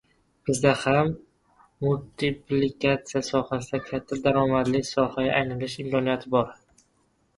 Bizda ham multiplikatsiya sohasini katta daromadli sohaga aylantirish imkoniyati bor.